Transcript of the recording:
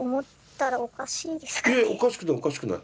いやおかしくないおかしくない。